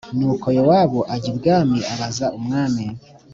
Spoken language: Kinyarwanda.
Nuko Yowabu ajya i bwami abaza umwami